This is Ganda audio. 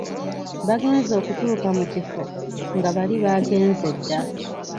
Bagenze okutuuka mu kifo, nga bali baagenze dda.